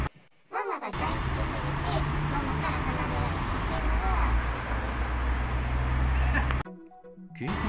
ママが大好きすぎて、ママから離れられないっていうのは、いつも言ってた。